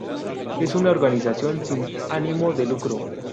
Es una organización sin ánimo de lucro.